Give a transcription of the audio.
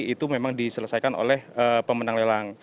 itu memang diselesaikan oleh pemenang lelang